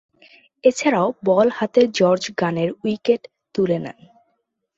এছাড়াও বল হাতে জর্জ গানের উইকেট তুলে নেন।